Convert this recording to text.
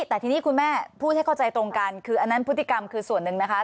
แต่ทีนี้คุณแม่พูดให้เข้าใจตรงกันคืออันนั้นพฤติกรรมคือส่วนหนึ่งนะคะ